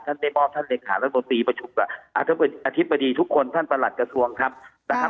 ท่านเรบอบท่านเหลศาสน์รัฐบนตรีประชุมกับอธิบดีทุกคนท่านประหลัดกระทรวงครับ